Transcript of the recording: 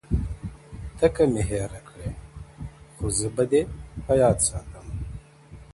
• ته كه مي هېره كړې خو زه به دي په ياد کي ساتــم.